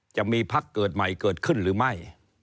จะมีพักเกิดใหม่เกิดขึ้นหรือไม่